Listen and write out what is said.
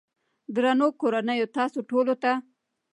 درنو کورنيو تاسو ټولو ته